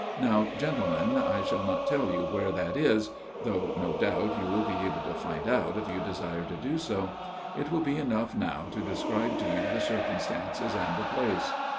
Now, gentlemen, I shall 94 A MIRROR OF SHALOTT not tell you where that was ; though no doubt, you will be able to find out if you desire to do so. It will be enough now to describe to you the circumstances and the place.